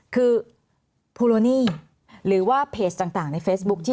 คือพูโรนีหรือว่าเพจต่างในเฟซบุ๊ก